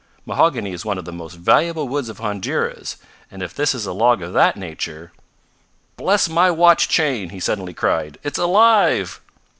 "Mahogany is one of the most valuable woods of Honduras, and if this is a log of that nature "Bless my watch chain!" he suddenly cried. "It's alive!"